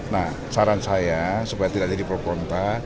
nah saran saya supaya tidak jadi pro kontra